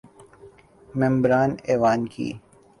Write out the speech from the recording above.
ممبران ایوان کی